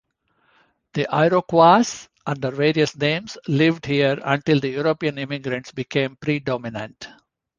The Iroquois, under various names, lived here until the European immigrants became predominant.